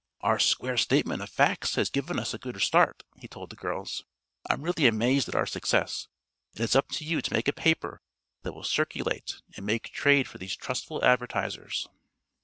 "Our square statement of facts has given us a good start," he told the girls. "I'm really amazed at our success, and it's up to you to make a paper that will circulate and make trade for these trustful advertisers."